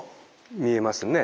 見えますね。